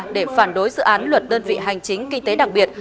để phản đối dự án luật đơn vị hành chính kinh tế đặc biệt